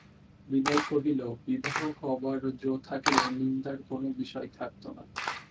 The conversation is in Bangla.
বিনয় কহিল, বিবাহ হবার জো থাকলে নিন্দার কোনো বিষয় থাকত না।